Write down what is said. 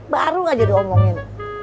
baru aja diomongin